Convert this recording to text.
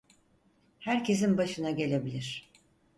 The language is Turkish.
Herkesin başına gelebilir.